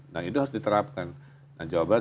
nah itu harus diterapkan nah jawa barat